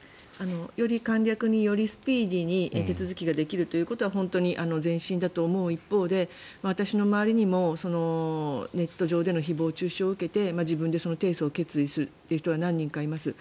より簡略によりスピーディーに手続きができることは前進だと思う一方で私の周りにもネット上での誹謗・中傷を受けて自分で提訴を決意する人は何人かいます。